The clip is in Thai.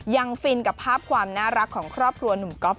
ฟินกับภาพความน่ารักของครอบครัวหนุ่มก๊อฟ